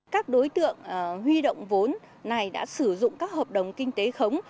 các đối tượng huy động vốn này đã sử dụng các hợp đồng kinh tế khống